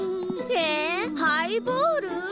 えっ？ハイボール？